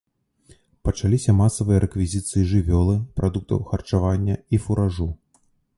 Пачаліся масавыя рэквізіцыі жывёлы, прадуктаў харчавання і фуражу.